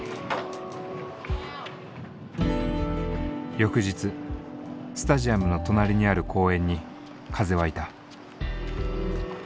翌日スタジアムの隣にある公園に風はいた。